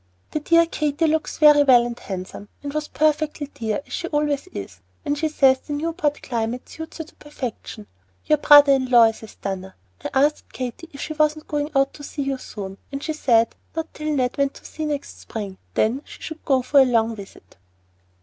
The dear Katy looks very well and handsome, and was perfectly dear, as she always is, and she says the Newport climate suits her to perfection. Your brother in law is a stunner! I asked Katy if she wasn't going out to see you soon, and she said not till Ned went to sea next spring, then she should go for a long visit.